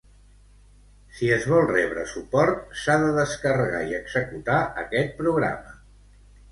Si es vol rebre suport, s'ha de descarregar i executar aquest programa.